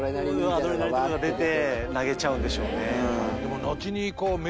アドレナリンとかが出て投げちゃうんでしょうね。